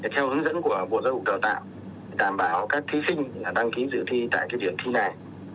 theo hướng dẫn của bộ giáo dục đào tạo đảm bảo các thí sinh đăng ký dự thi tại điểm thi này